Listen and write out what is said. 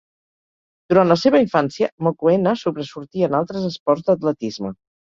Durant la seva infància, Mokoena sobresortia en altres esports d'atletisme.